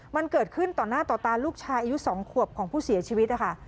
มันเกิดขึ้นต่อหน้าต่อตาลูกชายอายุ๒ขวบของผู้เสียชีวิตนะคะ